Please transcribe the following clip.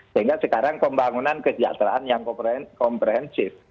sehingga sekarang pembangunan kesejahteraan yang komprehensif